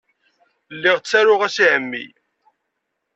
Lliɣ ttaruɣ-as i ɛemmi.